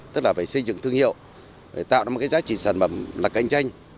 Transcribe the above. tức là phải xây dựng thương hiệu phải tạo ra một cái giá trị sản phẩm là cạnh tranh